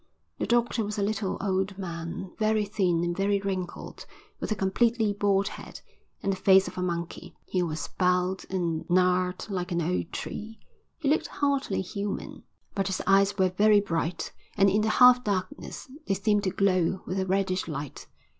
The doctor was a little, old man, very thin and very wrinkled, with a completely bald head, and the face of a monkey. He was bowed and gnarled like an old tree. He looked hardly human, but his eyes were very bright, and in the half darkness, they seemed to glow with a reddish light.